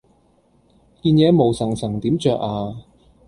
件嘢毛鬠鬠點著呀